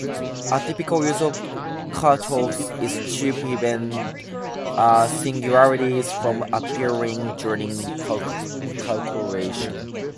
A typical use of cutoffs is to prevent singularities from appearing during calculation.